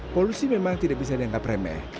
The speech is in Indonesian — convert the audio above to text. polusi memang tidak bisa dianggap remeh